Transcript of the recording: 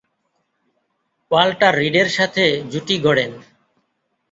Walter রিডের সাথে জুটি গড়েন।